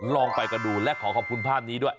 ลองไปกันดูและขอขอบคุณภาพนี้ด้วย